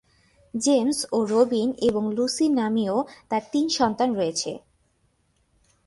James ও Robin এবং Lucy নামীয় তার তিন সন্তান রয়েছে।